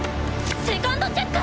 セカンドチェック！